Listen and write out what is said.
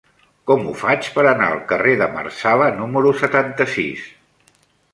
Com ho faig per anar al carrer de Marsala número setanta-sis?